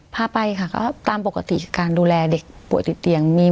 พาไปค่ะก็ตามปกติคือการดูแลเด็กป่วยติดเตียง